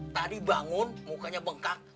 tadi bangun mukanya bengkak